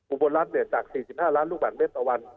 อุบลรัฐเนี่ยจาก๔๕ล้านลูกหวัดเม็ดต่อวัน